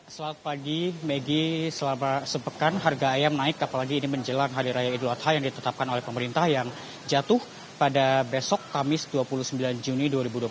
selamat pagi maggie selama sepekan harga ayam naik apalagi ini menjelang hari raya idul adha yang ditetapkan oleh pemerintah yang jatuh pada besok kamis dua puluh sembilan juni dua ribu dua puluh